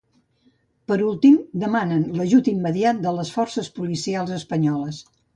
Per últim, demanen "l'ajut immediat de les forces policials espanyoles".